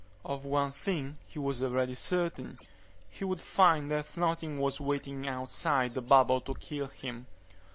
Of one thing he was already certain; he would find that nothing was waiting outside the bubble to kill him.